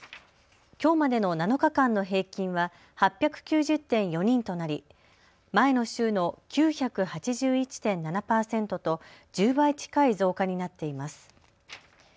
きょうまでの７日間の平均は８９０．４人となり前の週の９８１．７％と１０倍近い増加になっています。